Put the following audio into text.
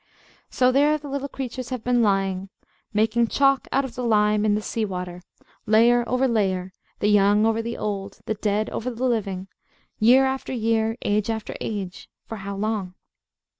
So there the little creatures have been lying, making chalk out of the lime in the sea water, layer over layer, the young over the old, the dead over the living, year after year, age after age for how long?